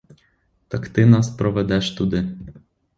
Так ти нас проведеш туди.